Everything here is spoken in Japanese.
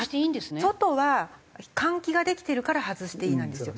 外は換気ができてるから外していいなんですよ。